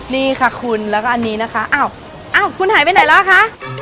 นี่ค่ะคุณแล้วก็อันนี้นะคะอ้าวคุณหายไปไหนแล้วอ่ะคะ